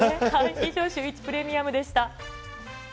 以上、シューイチプレミアムでした。